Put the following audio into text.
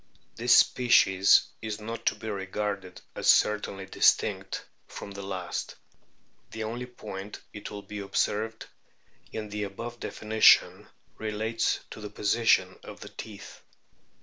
This species is not to be regarded as certainly distinct from the last. The only point, it will be observed, in the above definition relates to the position of the teeth.